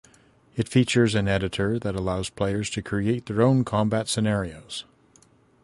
It features an editor that allows players to create their own combat scenarios.